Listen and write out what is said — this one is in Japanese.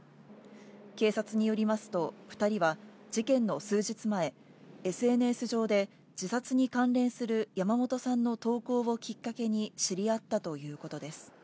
警察によりますと、２人は事件の数日前、ＳＮＳ上で自殺に関連する山本さんの投稿をきっかけに知り合ったということです。